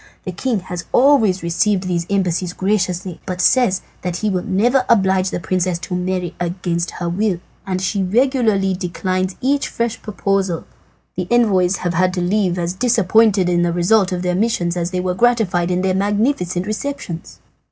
The king has always received these embassies graciously, but says that he will never oblige the princess to marry against her will, and as she regularly declines each fresh proposal, the envoys have had to leave as disappointed in the result of their missions as they were gratified by their magnificent receptions."